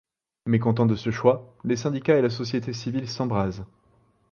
Mécontents de ce choix, les syndicats et la société civile s'embrasent.